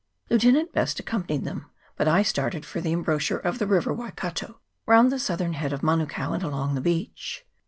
Lieutenant Best accompanied them, but I started for the em bouchure of the river Waikato, round the southern head of Manukao, and along the beach.